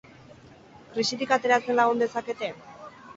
Krisitik ateratzen lagun dezakete?